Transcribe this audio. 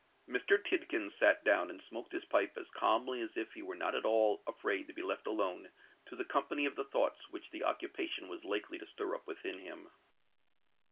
Mr. Tidkins sate down and smoked his pipe as calmly as if he were not at all afraid to be left alone to the company of the thoughts which the occupation was likely to stir up within him.